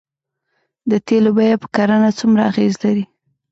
د تیلو بیه په کرنه څومره اغیز لري؟